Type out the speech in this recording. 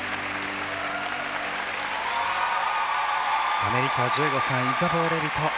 アメリカ、１５歳イザボー・レビト。